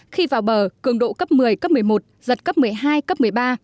khi vào bờ cường độ cấp một mươi cấp một mươi một giật cấp một mươi hai cấp một mươi ba